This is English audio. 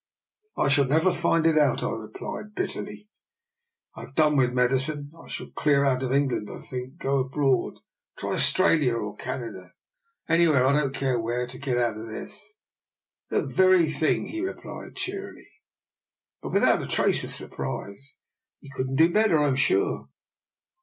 ''" I shall never find it out," I replied bit terly. " I have done with medicine. I shall clear out of England, I think — go abroad, try Australia or Canada — anywhere, I don't care where, to get out of this! "" The very thing! " he replied cheerily, but without a trace of surprise. " You couldn't do better, I'm sure.